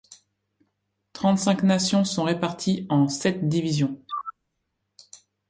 Trente-cinq nations sont réparties en sept divisions.